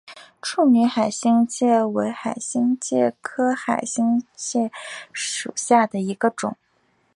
处女海星介为海星介科海星介属下的一个种。